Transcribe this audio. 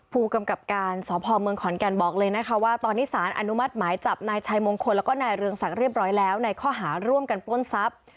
ผู้กำกับการสพเมืองขอนแก่นบอกเลยนะคะว่าตอนนี้สารอนุมัติหมายจับนายชัยมงคลแล้วก็นายเรืองศักดิ์เรียบร้อยแล้วในข้อหาร่วมกันปล้นทรัพย์